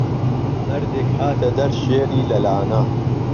مەردێک هاته دهر شێری له لانه